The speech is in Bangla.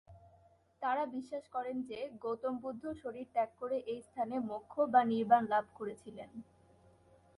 তারা বিশ্বাস করেন যে, গৌতম বুদ্ধ শরীর ত্যাগ করে এই স্থানে 'মোক্ষ' বা 'নির্বাণ' লাভ করেছিলেন।